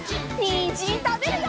にんじんたべるよ！